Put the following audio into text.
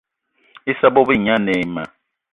Issa bebo gne ane ayi ma